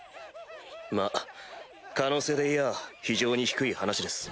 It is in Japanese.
まっ可能性で言やぁ非常に低い話です。